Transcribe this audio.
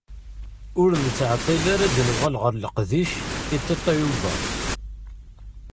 Ur nettɛeṭṭil ara ad d-nuɣal ar leqdic i Tatoeba.